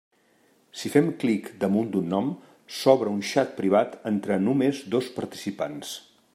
Si fem clic damunt d'un nom, s'obre un xat privat entre només dos participants.